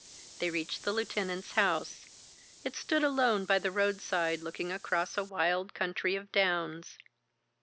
They reached the lieutenant's house. It stood alone by the roadside looking across a wide country of downs.